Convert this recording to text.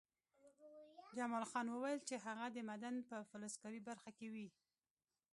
جمال خان وویل چې هغه د معدن په فلزکاري برخه کې وي